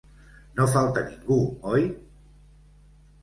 No falta ningú, oi?